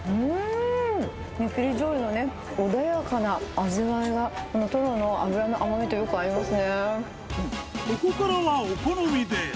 煮切りじょうゆの穏やかな味わいが、このトロの脂の甘みとよく合ここからはお好みで。